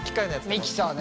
ミキサーね。